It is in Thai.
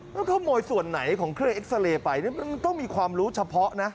แล้วขโมยส่วนไหนของเครื่องเอ็กซาเรย์ไปมันต้องมีความรู้เฉพาะนะ